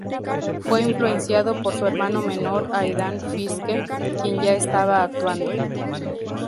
Fue influenciado por su hermano menor, Aidan Fiske, quien ya estaba actuando.